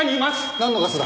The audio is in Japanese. なんのガスだ？